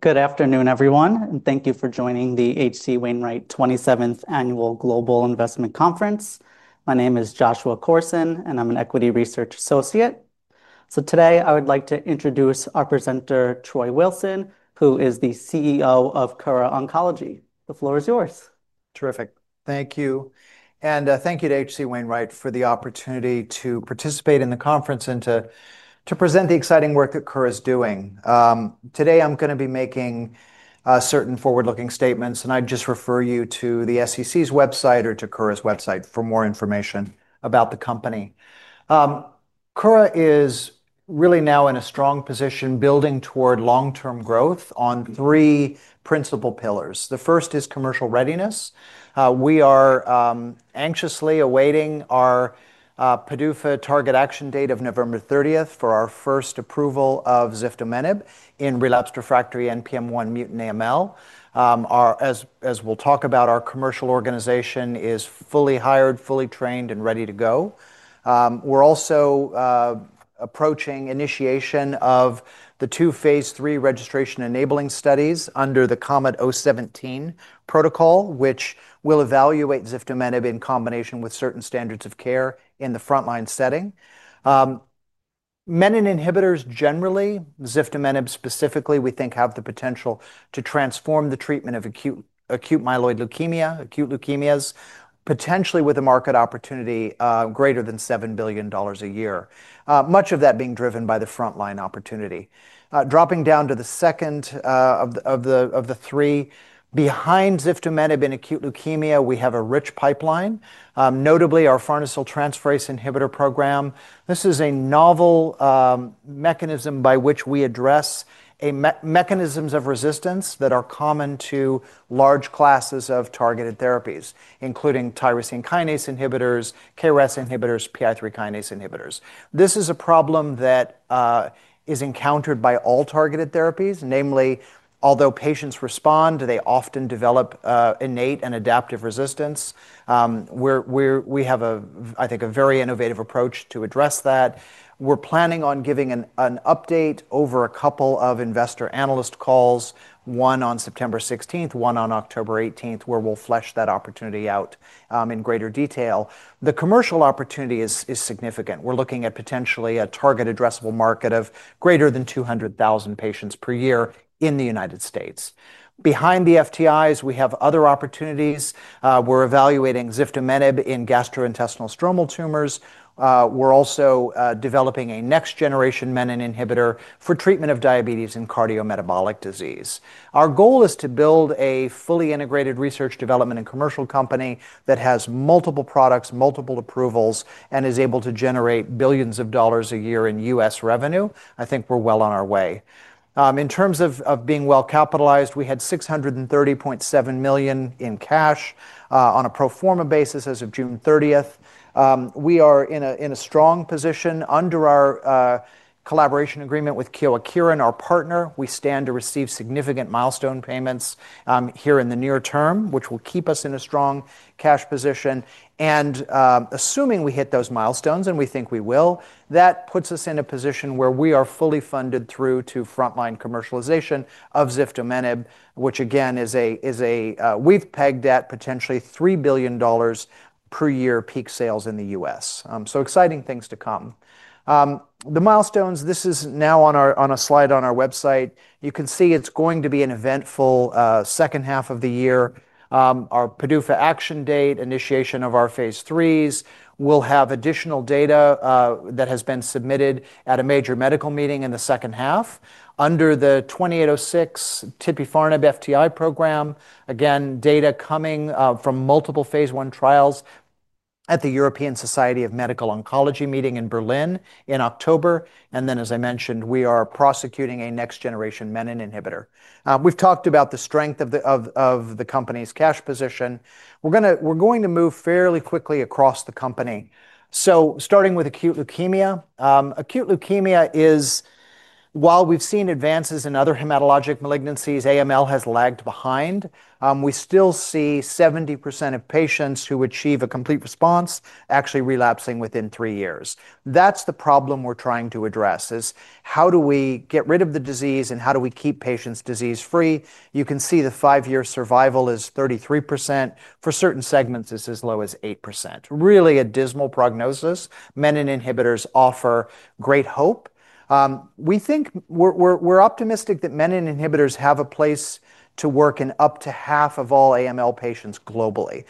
Good afternoon, everyone, and thank you for joining the HC Wainwright 27th Annual Global Investment Conference. My name is Joshua Corson, and I'm an Equity Research Associate. Today, I would like to introduce our presenter, Troy Wilson, who is the CEO of Kura Oncology. The floor is yours. Terrific. Thank you. Thank you to HC Wainwright for the opportunity to participate in the conference and to present the exciting work that Kura Oncology is doing. Today, I'm going to be making certain forward-looking statements, and I'd just refer you to the SEC's website or to Kura's website for more information about the company. Kura is really now in a strong position building toward long-term growth on three principal pillars. The first is commercial readiness. We are anxiously awaiting our PDUFA target action date of November 30 for our first approval of Ziftomenib in relapsed/refractory NPM1-mutant AML. As we'll talk about, our commercial organization is fully hired, fully trained, and ready to go. We're also approaching initiation of the two Phase 3 registration-enabling studies under the COMET-017 protocol, which will evaluate Ziftomenib in combination with certain standard-of-care therapies in the frontline AML setting. Menin inhibitors generally, Ziftomenib specifically, we think have the potential to transform the treatment of acute myeloid leukemia, acute leukemias, potentially with a market opportunity greater than $7 billion a year, much of that being driven by the frontline opportunity. Dropping down to the second of the three, behind Ziftomenib in acute leukemia, we have a rich pipeline, notably our Farnesyl transferase inhibitor program. This is a novel mechanism by which we address mechanisms of resistance that are common to large classes of targeted therapies, including tyrosine kinase inhibitors, KRAS inhibitors, PI3K inhibitors. This is a problem that is encountered by all targeted therapies, namely, although patients respond, they often develop innate and adaptive resistance. We have, I think, a very innovative approach to address that. We're planning on giving an update over a couple of investor analyst calls, one on September 16, one on October 18, where we'll flesh that opportunity out in greater detail. The commercial opportunity is significant. We're looking at potentially a target addressable market of greater than 200,000 patients per year in the U.S. Behind the FTIs, we have other opportunities. We're evaluating Ziftomenib in gastrointestinal stromal tumors. We're also developing a next-generation menin inhibitor for treatment of diabetes and cardiometabolic diseases. Our goal is to build a fully integrated research, development, and commercial company that has multiple products, multiple approvals, and is able to generate billions of dollars a year in U.S. revenue. I think we're well on our way. In terms of being well capitalized, we had $630.7 million in cash on a pro forma basis as of June 30. We are in a strong position under our collaboration agreement with Kyowa Kirin Co., Ltd. and our partner. We stand to receive significant milestone payments here in the near term, which will keep us in a strong cash position. Assuming we hit those milestones, and we think we will, that puts us in a position where we are fully funded through to frontline commercialization of Ziftomenib, which again is a, we've pegged at potentially $3 billion per year peak sales in the U.S. Exciting things to come. The milestones, this is now on a slide on our website. You can see it's going to be an eventful second half of the year. Our PDUFA action date, initiation of our Phase 3s, we'll have additional data that has been submitted at a major medical meeting in the second half under the KO-2806 Tipifarnib FTI program. Data coming from multiple Phase 1 trials at the European Society of Medical Oncology meeting in Berlin in October. As I mentioned, we are prosecuting a next-generation menin inhibitor. We've talked about the strength of the company's cash position. We're going to move fairly quickly across the company. Starting with acute leukemia, acute leukemia is, while we've seen advances in other hematologic malignancies, AML has lagged behind. We still see 70% of patients who achieve a complete response actually relapsing within three years. That's the problem we're trying to address is how do we get rid of the disease and how do we keep patients disease-free? You can see the five-year survival is 33%. For certain segments, it's as low as 8%. Really a dismal prognosis. Menin inhibitors offer great hope. We think we're optimistic that menin inhibitors have a place to work in up to half of all AML patients globally.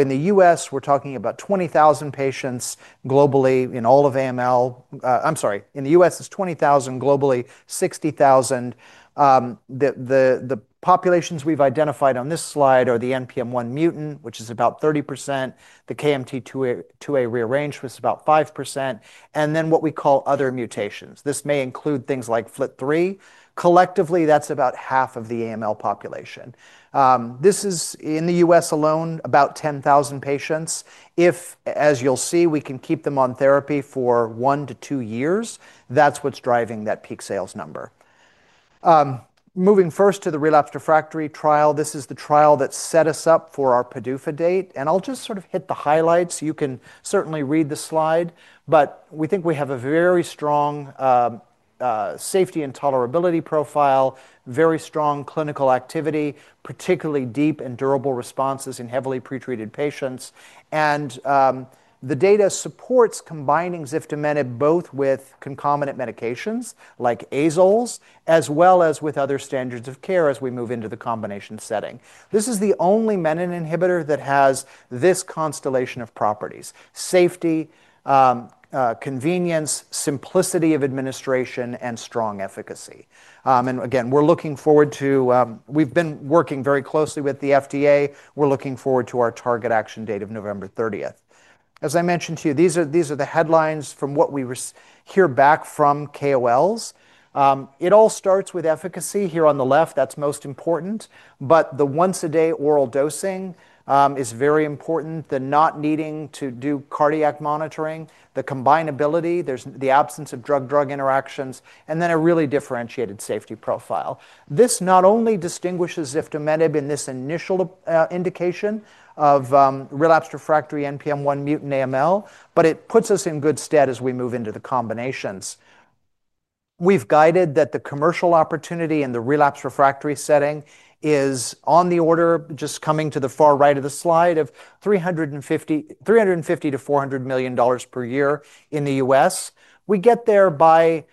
In the U.S., we're talking about 20,000 patients; globally, in all of AML, I'm sorry, in the U.S., it's 20,000; globally, 60,000. The populations we've identified on this slide are the NPM1-mutant, which is about 30%, the KMT2A rearranged, which is about 5%, and then what we call other mutations. This may include things like FLT3. Collectively, that's about half of the AML population. This is in the U.S. alone, about 10,000 patients. If, as you'll see, we can keep them on therapy for one to two years, that's what's driving that peak sales number. Moving first to the relapsed/refractory trial, this is the trial that set us up for our PDUFA date. I'll just sort of hit the highlights. You can certainly read the slide, but we think we have a very strong safety and tolerability profile, very strong clinical activity, particularly deep and durable responses in heavily pretreated patients. The data supports combining Ziftomenib both with concomitant medications like Azoles, as well as with other standards of care as we move into the combination setting. This is the only menin inhibitor that has this constellation of properties: safety, convenience, simplicity of administration, and strong efficacy. We're looking forward to, we've been working very closely with the FDA. We're looking forward to our target action date of November 30th. As I mentioned to you, these are the headlines from what we hear back from KOLs. It all starts with efficacy here on the left. That's most important. The once-a-day oral dosing is very important, the not needing to do cardiac monitoring, the combinability, the absence of drug-drug interactions, and then a really differentiated safety profile. This not only distinguishes Ziftomenib in this initial indication of relapsed/refractory NPM1-mutant AML, it puts us in good stead as we move into the combinations. We've guided that the commercial opportunity in the relapsed/refractory setting is on the order, just coming to the far right of the slide, of $350 to $400 million per year in the U.S. We get there by,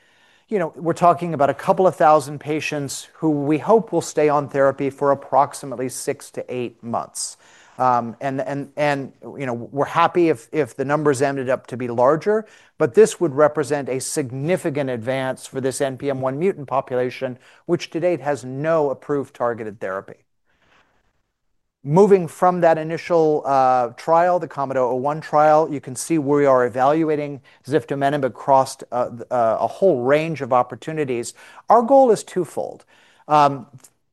you know, we're talking about a couple of thousand patients who we hope will stay on therapy for approximately six to eight months. We're happy if the numbers ended up to be larger, but this would represent a significant advance for this NPM1-mutant population, which to date has no approved targeted therapy. Moving from that initial trial, the COMET-017 protocol, you can see we are evaluating Ziftomenib across a whole range of opportunities. Our goal is twofold.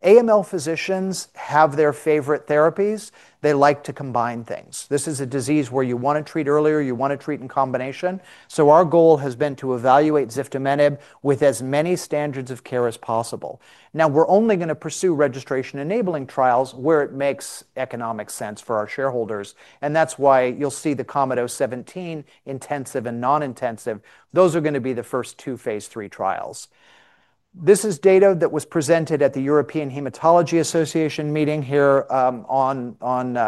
AML physicians have their favorite therapies. They like to combine things. This is a disease where you want to treat earlier, you want to treat in combination. Our goal has been to evaluate Ziftomenib with as many standards of care as possible. Now, we're only going to pursue registration-enabling trials where it makes economic sense for our shareholders. That's why you'll see the COMET-017, intensive and non-intensive. Those are going to be the first two Phase 3 trials. This is data that was presented at the European Hematology Association meeting here on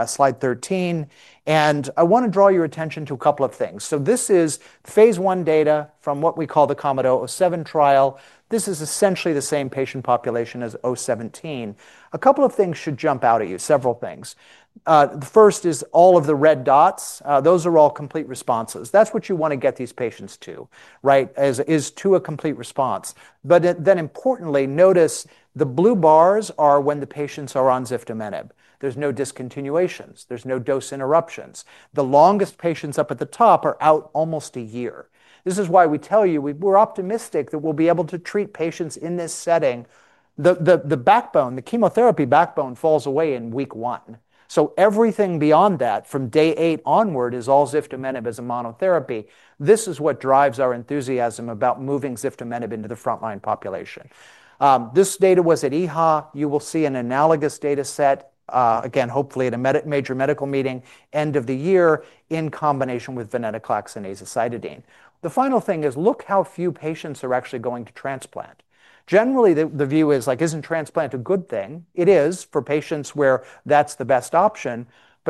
slide 13. I want to draw your attention to a couple of things. This is Phase 1 data from what we call the COMET-07 trial. This is essentially the same patient population as 017. A couple of things should jump out at you, several things. The first is all of the red dots. Those are all complete responses. That's what you want to get these patients to, right, is to a complete response. Importantly, notice the blue bars are when the patients are on Ziftomenib. There's no discontinuations. There's no dose interruptions. The longest patients up at the top are out almost a year. This is why we tell you we're optimistic that we'll be able to treat patients in this setting. The backbone, the chemotherapy backbone, falls away in week one. Everything beyond that from day eight onward is all Ziftomenib as a monotherapy. This is what drives our enthusiasm about moving Ziftomenib into the frontline population. This data was at EHA. You will see an analogous data set, again, hopefully at a major medical meeting end of the year in combination with venetoclax and azacitidine. The final thing is look how few patients are actually going to transplant. Generally, the view is like, isn't transplant a good thing? It is for patients where that's the best option.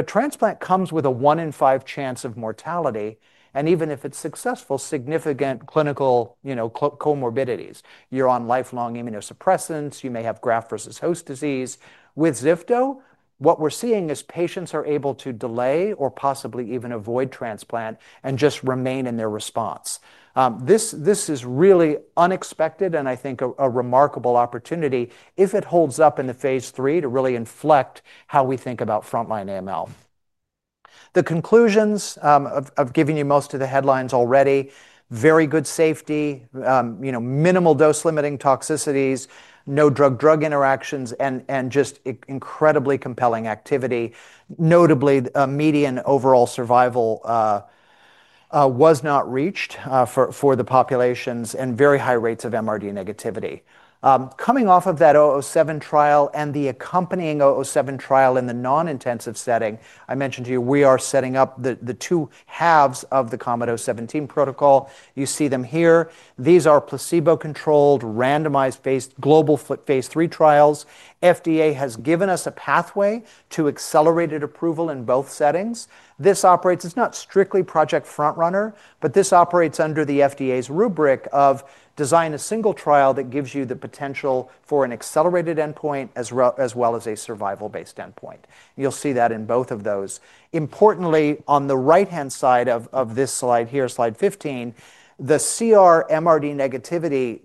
Transplant comes with a one in five chance of mortality. Even if it's successful, significant clinical comorbidities. You're on lifelong immunosuppressants. You may have graft versus host disease. With Ziftomenib, what we're seeing is patients are able to delay or possibly even avoid transplant and just remain in their response. This is really unexpected and I think a remarkable opportunity if it holds up in the Phase 3 to really inflect how we think about frontline AML. The conclusions, I've given you most of the headlines already. Very good safety, minimal dose-limiting toxicities, no drug-drug interactions, and just incredibly compelling activity. Notably, median overall survival was not reached for the populations and very high rates of MRD negativity. Coming off of that 007 trial and the accompanying 007 trial in the non-intensive setting, I mentioned to you we are setting up the two halves of the COMET-017 protocol. You see them here. These are placebo-controlled, randomized-based global Phase 3 trials. FDA has given us a pathway to accelerated approval in both settings. This operates, it's not strictly Project Front Runner, but this operates under the FDA's rubric of design a single trial that gives you the potential for an accelerated endpoint as well as a survival-based endpoint. You'll see that in both of those. Importantly, on the right-hand side of this slide here, slide 15, the CR-MRD negativity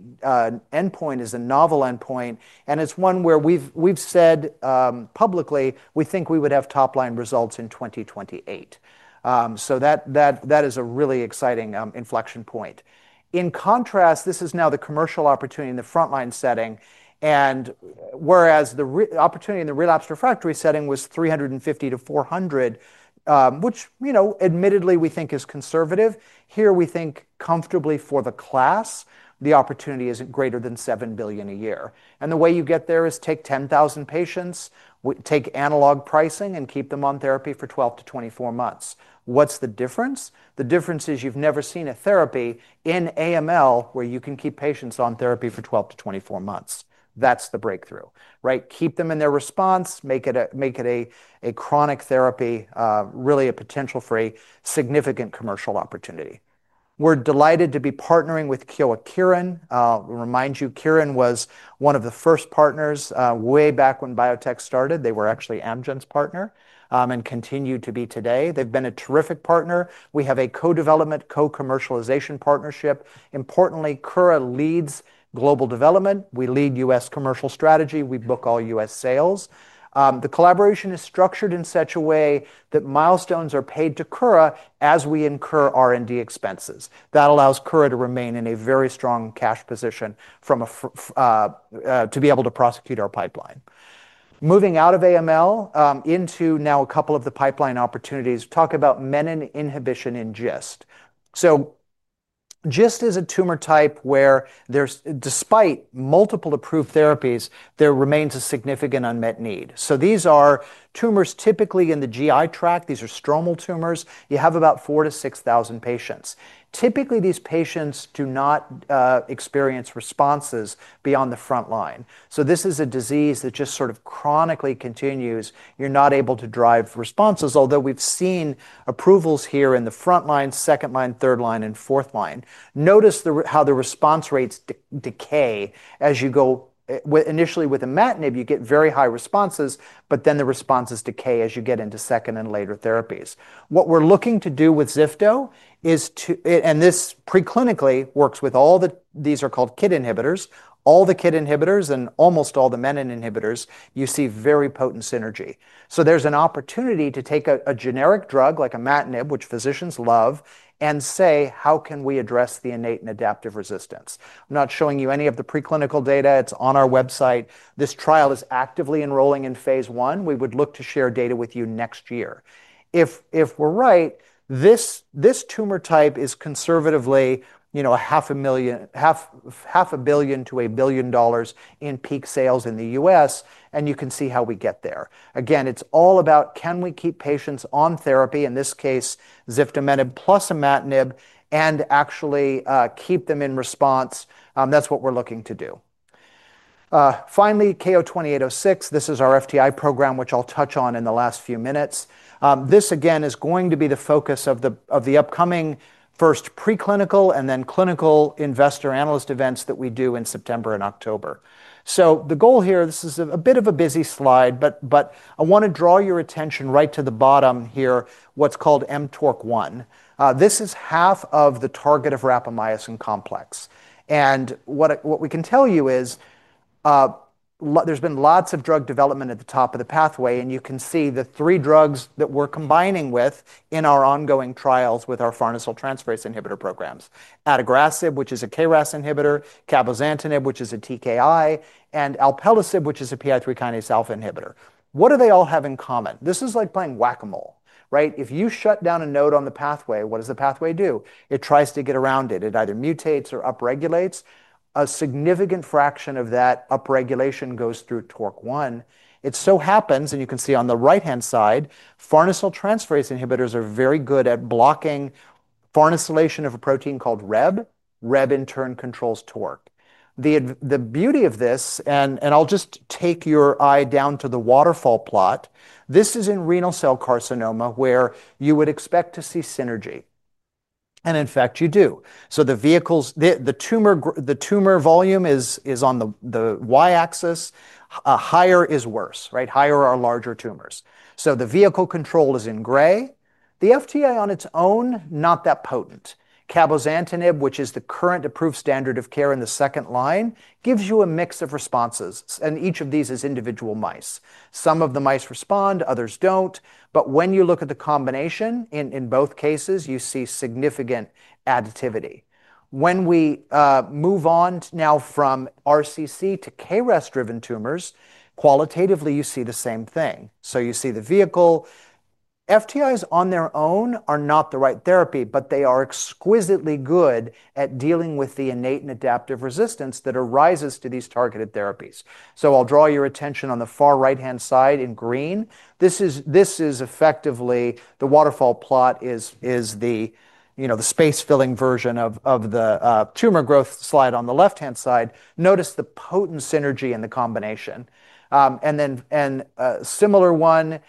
endpoint is a novel endpoint. It's one where we've said publicly we think we would have top-line results in 2028. That is a really exciting inflection point. In contrast, this is now the commercial opportunity in the frontline setting. Whereas the opportunity in the relapsed/refractory setting was 350 to 400, which admittedly we think is conservative, here we think comfortably for the class, the opportunity is greater than $7 billion a year. The way you get there is take 10,000 patients, take analog pricing, and keep them on therapy for 12 to 24 months. What's the difference? The difference is you've never seen a therapy in AML where you can keep patients on therapy for 12 to 24 months. That's the breakthrough. Keep them in their response, make it a chronic therapy, really a potential for a significant commercial opportunity. We're delighted to be partnering with Kyowa Kirin Co., Ltd. I'll remind you, Kirin was one of the first partners way back when biotech started. They were actually Amgen's partner and continue to be today. They've been a terrific partner. We have a co-development, co-commercialization partnership. Importantly, Kura leads global development. We lead U.S. commercial strategy. We book all U.S. sales. The collaboration is structured in such a way that milestones are paid to Kura as we incur R&D expenses. That allows Kura to remain in a very strong cash position to be able to prosecute our pipeline. Moving out of AML into now a couple of the pipeline opportunities, talk about menin inhibition in GIST. GIST is a tumor type where despite multiple approved therapies, there remains a significant unmet need. These are tumors typically in the GI tract. These are stromal tumors. You have about 4,000 to 6,000 patients. Typically, these patients do not experience responses beyond the frontline. This is a disease that just sort of chronically continues. You're not able to drive responses, although we've seen approvals here in the frontline, second line, third line, and fourth line. Notice how the response rates decay as you go. Initially, with imatinib, you get very high responses, but then the responses decay as you get into second and later therapies. What we're looking to do with Ziftomenib is to, and this preclinically works with all the, these are called KIT inhibitors, all the KIT inhibitors and almost all the menin inhibitors, you see very potent synergy. There is an opportunity to take a generic drug like imatinib, which physicians love, and say, how can we address the innate and adaptive resistance? I'm not showing you any of the preclinical data. It's on our website. This trial is actively enrolling in phase one. We would look to share data with you next year. If we're right, this tumor type is conservatively a $500 million to $1 billion in peak sales in the U.S. You can see how we get there. Again, it's all about can we keep patients on therapy, in this case, Ziftomenib plus imatinib, and actually keep them in response. That's what we're looking to do. Finally, KO-2806, this is our FTI program, which I'll touch on in the last few minutes. This again is going to be the focus of the upcoming first preclinical and then clinical investor analyst events that we do in September and October. The goal here, this is a bit of a busy slide, but I want to draw your attention right to the bottom here, what's called MTORC1. This is half of the target of rapamycin complex. What we can tell you is there's been lots of drug development at the top of the pathway. You can see the three drugs that we're combining with in our ongoing trials with our Farnesyl transferase inhibitor programs: adagrasib, which is a KRAS inhibitor, cabozantinib, which is a TKI, and alpelisib, which is a PI3 kinase alpha inhibitor. What do they all have in common? This is like playing whack-a-mole, right? If you shut down a node on the pathway, what does the pathway do? It tries to get around it. It either mutates or upregulates. A significant fraction of that upregulation goes through TORC1. It so happens, and you can see on the right-hand side, Farnesyl transferase inhibitors are very good at blocking farnesylation of a protein called Rheb. Rheb, in turn, controls TORC. The beauty of this, and I'll just take your eye down to the waterfall plot, this is in renal cell carcinoma where you would expect to see synergy. In fact, you do. The tumor volume is on the Y axis. Higher is worse, right? Higher are larger tumors. The vehicle control is in gray. The FTI on its own, not that potent. Cabozantinib, which is the current approved standard of care in the second line, gives you a mix of responses. Each of these is individual mice. Some of the mice respond, others don't. When you look at the combination in both cases, you see significant additivity. When we move on now from RCC to KRAS-driven tumors, qualitatively, you see the same thing. You see the vehicle. FTIs on their own are not the right therapy, but they are exquisitely good at dealing with the innate and adaptive resistance that arises to these targeted therapies. I'll draw your attention on the far right-hand side in green. This is effectively the waterfall plot, the space-filling version of the tumor growth slide on the left-hand side. Notice the potent synergy in the combination. A similar one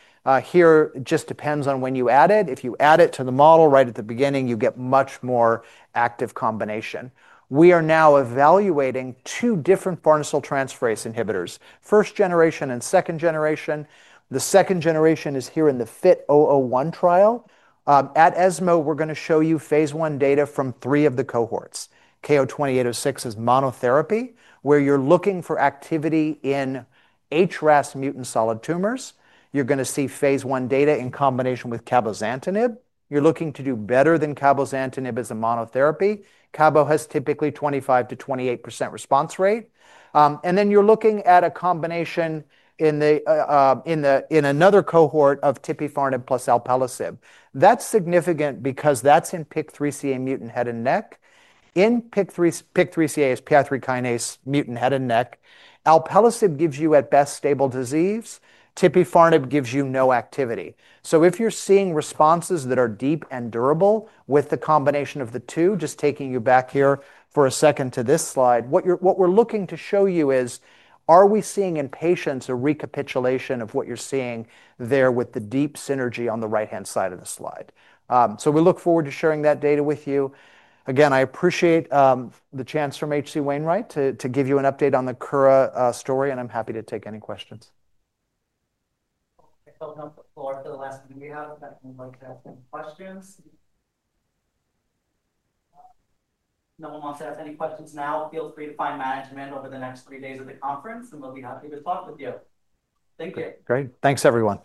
here just depends on when you add it. If you add it to the model right at the beginning, you get much more active combination. We are now evaluating two different Farnesyl transferase inhibitors, first generation and second generation. The second generation is here in the FIT-001 trial. At ESMO, we're going to show you phase one data from three of the cohorts. KO-2806 is monotherapy where you're looking for activity in HRAS mutant solid tumors. You're going to see phase one data in combination with Cabozantinib. You're looking to do better than Cabozantinib as a monotherapy. Cabo has typically 25% to 28% response rate. You're looking at a combination in another cohort of Tipifarnib plus Alpelisib. That's significant because that's in PIK3CA mutant head and neck. PIK3CA is PI3 kinase mutant head and neck. Alpelisib gives you at best stable disease. Tipifarnib gives you no activity. If you're seeing responses that are deep and durable with the combination of the two, just taking you back here for a second to this slide, what we're looking to show you is are we seeing in patients a recapitulation of what you're seeing there with the deep synergy on the right-hand side of the slide. We look forward to sharing that data with you. Again, I appreciate the chance from HC Wainwright to give you an update on the Kura story, and I'm happy to take any questions. I'll go to the last of the meet-out. I don't have any questions. No one wants to ask any questions now, feel free to find management over the next three days of the conference, and we'll be happy to talk with you. Thank you. Great. Thanks, everyone.